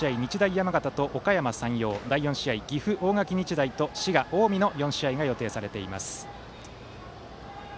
山形とおかやま山陽第４試合は岐阜・大垣日大と滋賀・近江の試合が予定されています。